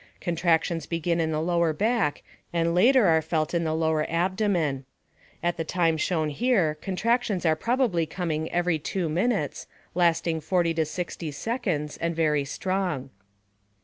Contractions begin in the lower back and later are felt in the lower abdomen. At the time shown here contractions are probably coming every 2 minutes, lasting 40 60 seconds and very strong.